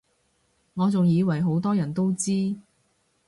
我仲以爲好多人都知